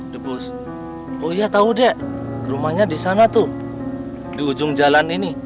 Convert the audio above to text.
the bus oh iya tau dek rumahnya di sana tuh di ujung jalan ini